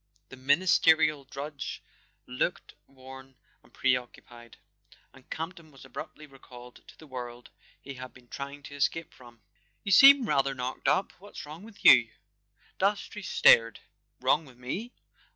The ministerial drudge looked worn and pre¬ occupied, and Campton was abruptly recalled to the world he had been trying to escape from. "You seem rather knocked up—what's wrong with you?" Dastrey stared. "Wrong with me?